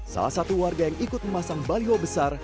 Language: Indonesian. salah satu warga yang ikut memasang baliho besar